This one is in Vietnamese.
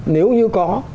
nếu như có